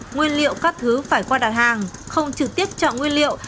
nguyên liệu các thứ phải qua đặt hàng không trực tiếp chọn nguyên liệu